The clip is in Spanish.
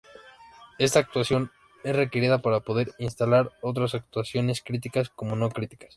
Esta actualización es requerida para poder instalar otras actualizaciones críticas como no críticas.